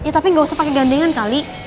ya tapi gak usah pake gandengan kali